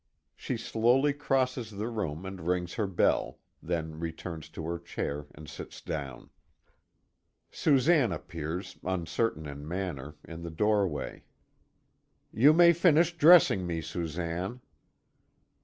She slowly crosses the room and rings her bell; then returns to her chair and sits down. Susanne appears, uncertain in manner, in the doorway. "You may finish dressing me, Susanne."